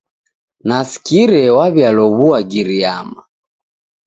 Nasikire wa'w'ialow'ua Giriyama.